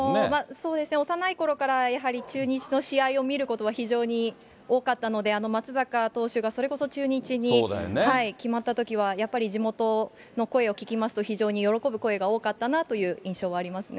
そうですね、幼いころからやはり中日の試合を見ることは非常に多かったので、松坂投手がそれこそ中日に決まったときは、やっぱり地元の声を聞きますと、非常に喜ぶ声が多かったなという印象はありますね。